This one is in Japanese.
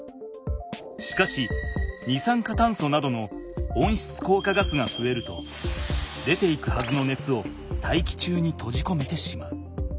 しかし二酸化炭素などの温室効果ガスがふえると出ていくはずのねつを大気中にとじこめてしまう。